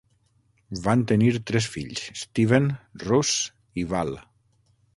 Van tenir tres fills: Steven, Russ i Val.